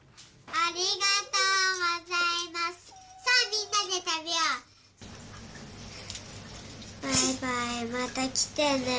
ありがとうございます。